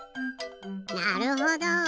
なるほど。